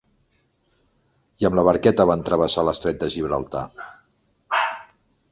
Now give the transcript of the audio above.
I amb la barqueta van travessar l’estret de Gibraltar.